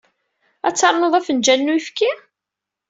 Ad ternuḍ afenjal n uyefki?